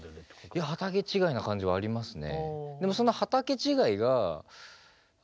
いや畑違いな感じはありますね。